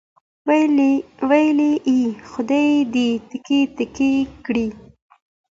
ویل یې خدای دې تیکې تیکې کړي.